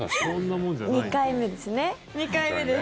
２回目です。